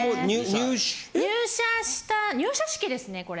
入社した入社式ですねこれ。